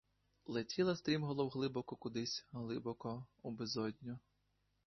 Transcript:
Летіла стрімголов глибоко кудись, глибоко, у безодню.